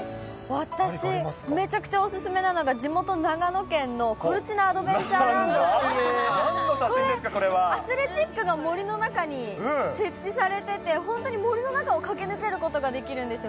私、めちゃくちゃお勧めなのが、地元、長野県のコルチナアドベンチャーランドっていう、これ、アスレチックが森の中に設置されてて、本当に森の中を駆け抜けることができるんですよ。